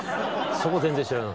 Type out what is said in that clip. そこ全然知らない。